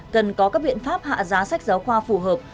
cần có các biện pháp hạ giá sách giáo khoa phù hợp